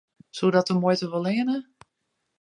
Soe dat de muoite wol leanje?